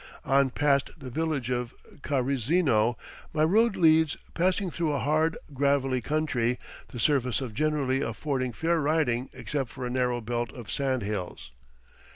On past the village of Karizeno my road leads, passing through a hard, gravelly country, the surface generally affording fair riding except for a narrow belt of sand hills.